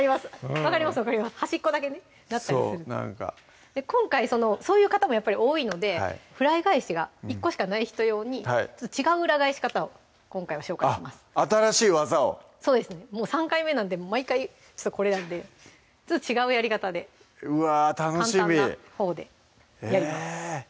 分かります端っこだけねなったりするそうなんか今回そういう方も多いのでフライ返しが１個しかない人用に違う裏返し方を今回は紹介します新しい技をそうですねもう３回目なんで毎回ちょっとこれなんでちょっと違うやり方でうわぁ楽しみ簡単なほうでやります